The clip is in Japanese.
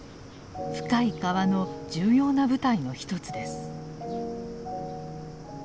「深い河」の重要な舞台の一つです。